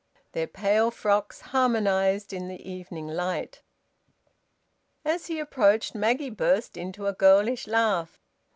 Their pale frocks harmonised in the evening light. As he approached, Maggie burst into a girlish laugh.